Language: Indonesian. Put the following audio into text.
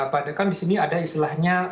padahal kan di sini ada istilahnya